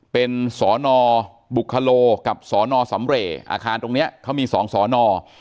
เป็นสนบุคโลกับสนสำเรย์อาคารตรงนี้เขามี๒สอนอ